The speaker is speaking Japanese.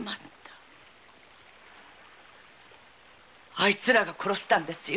あいつらが殺したんですよ！